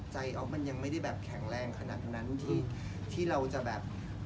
ออฟมันยังไม่ได้แบบแข็งแรงขนาดนั้นที่เราจะแบบ